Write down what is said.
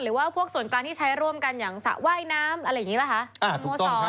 หรือว่าพวกส่วนกลางที่ใช้ร่วมกันอย่างสระว่ายน้ำอะไรอย่างนี้ป่ะคะ